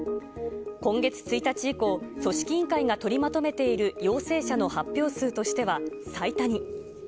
今月１日以降、組織委員会が取りまとめている陽性者の発表数としては最多に。